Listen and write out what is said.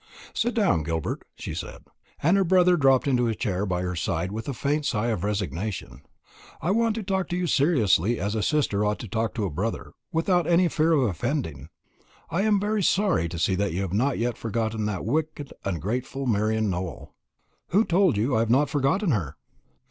"Sit down, Gilbert," she said; and her brother dropped into a chair by her side with a faint sigh of resignation. "I want to talk to you seriously, as a sister ought to talk to a brother, without any fear of offending. I'm very sorry to see you have not yet forgotten that wicked ungrateful girl Marian Nowell." "Who told you that I have not forgotten her?"